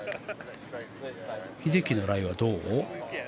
英樹のライはどう？